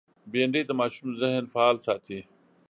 بېنډۍ د ماشوم ذهن فعال ساتي